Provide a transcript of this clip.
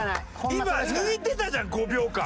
今抜いてたじゃん５秒間。